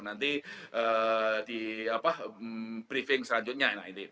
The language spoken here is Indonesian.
nanti di briefing selanjutnya